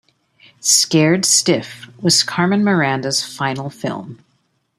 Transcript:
"Scared Stiff" was Carmen Miranda's final film.